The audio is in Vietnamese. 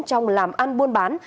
trong làm ăn buôn bán